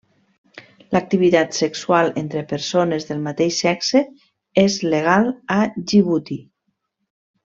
L'activitat sexual entre persones del mateix sexe és legal a Djibouti.